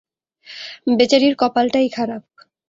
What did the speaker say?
বেচারির কপালটাই খারাপ।